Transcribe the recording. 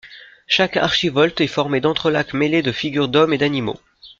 Chaque archivolte est formée d'entrelacs mêlés de figures d'hommes et d'animaux.